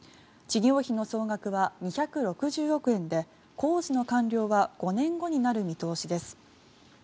事業費の総額は２６０億円で工事の完了は５年後になる見通しです。